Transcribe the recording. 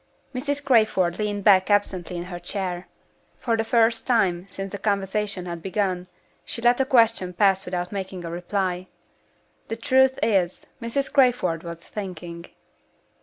Mrs. Crayford leaned back absently in her chair. For the first time since the conversation had begun, she let a question pass without making a reply. The truth is, Mrs. Crayford was thinking.